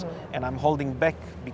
dan saya menahan kembali